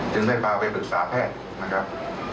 จึงได้พาไปปรึกษาแพทย์นะครับ